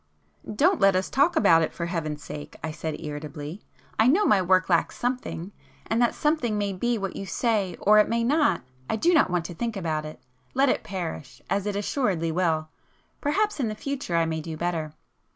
"Don't let us talk about it for Heaven's sake!" I said irritably—"I know my work lacks something,—and that something may be what you say or it may not,—I do not want to think about it. Let it perish, as it assuredly will; perhaps in the future I may do better."